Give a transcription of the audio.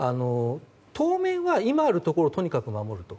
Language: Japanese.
当面は今あるところをとにかく守ると。